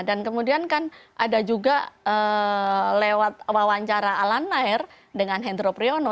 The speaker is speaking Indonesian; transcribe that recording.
dan kemudian kan ada juga lewat wawancara alan nair dengan hendro priyono